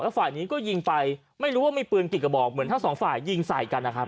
ฝ่ายนี้ก็ยิงไปไม่รู้ว่ามีปืนกี่กระบอกเหมือนทั้งสองฝ่ายยิงใส่กันนะครับ